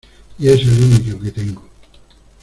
Y es el único que tengo.